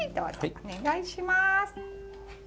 お願いします。